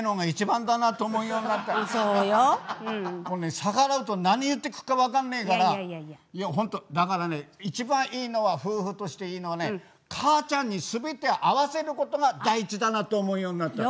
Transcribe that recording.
逆らうと何言ってくるか分かんねえからいや本当だからね一番いいのは夫婦としていいのはねかあちゃんに全て合わせることが大事だなと思うようになったの。